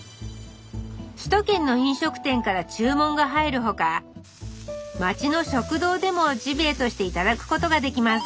首都圏の飲食店から注文が入るほか町の食堂でもジビエとしていただくことができます